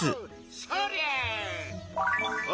そりゃ！